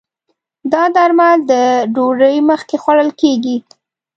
دا درمل د ډوډی مخکې خوړل کېږي